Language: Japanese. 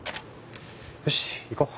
よし行こう。